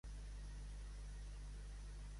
Nosaltres volem a Catalunya dins d'Espanya.